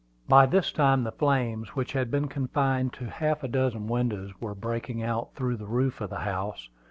By this time the flames, which had been confined to half a dozen windows, were breaking out through the roof of the house.